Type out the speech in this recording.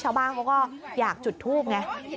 ชาวบ้านเขาก็อยากจุดทูปไง